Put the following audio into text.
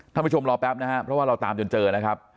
ท่านผู้ชมรอแป๊บนะครับเพราะว่าเราตามจนเจอนะครับ